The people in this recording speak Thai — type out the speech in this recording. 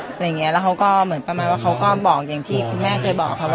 อะไรอย่างเงี้ยแล้วเขาก็เหมือนประมาณว่าเขาก็บอกอย่างที่คุณแม่เคยบอกค่ะว่า